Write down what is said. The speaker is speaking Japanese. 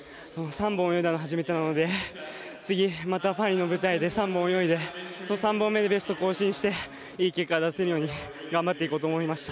３本泳いだのは初めてなので次、またパリの舞台で３本泳いでその３本目でベストを更新していい結果を出せるように頑張っていこうと思いました。